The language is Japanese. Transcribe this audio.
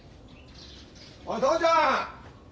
おい父ちゃん！